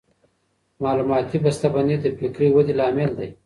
معلوماتي بسته بندي د فکري ودې لامل دی.